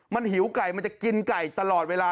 มันหิวไก่มันจะกินไก่ตลอดเวลา